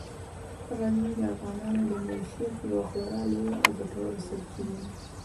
غزني د افغانانو د معیشت یوه خورا لویه او ګټوره سرچینه ده.